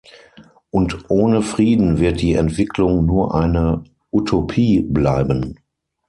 Und ohne Frieden wird die Entwicklung nur eine Utopie bleiben.